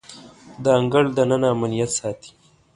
د انګړ دننه امنیت ساتي.